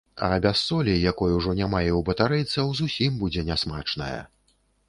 А без солі, якой ужо няма і ў батарэйцаў, зусім будзе нясмачная.